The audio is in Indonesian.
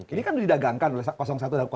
ini kan didagangkan oleh satu dan dua